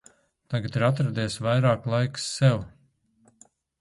Tagad ir atradies vairāk laiks sev.